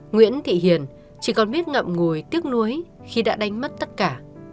nguyễn thị hiền chỉ còn biết ngậm ngùi tiếc nuối khi đã đánh mất tất cả